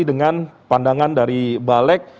dengan pandangan dari balik